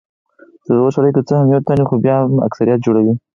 زړور سړی که څه هم یو تن وي خو بیا هم اکثريت جوړوي.